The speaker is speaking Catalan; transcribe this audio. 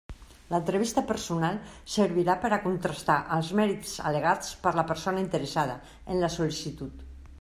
L'entrevista personal servirà per a contrastar els mèrits al·legats per la persona interessada, en la sol·licitud.